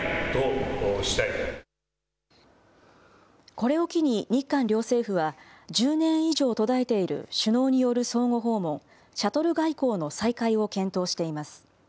これを機に日韓両政府は、１０年以上途絶えている首脳による相互訪問、シャトル外交の再開を検討しています。